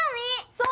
そう！